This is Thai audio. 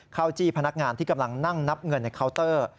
จี้พนักงานที่กำลังนั่งนับเงินในเคาน์เตอร์